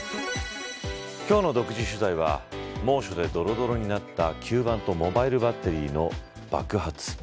今日の独自取材は猛暑でどろどろになった吸盤とモバイルバッテリーの爆発。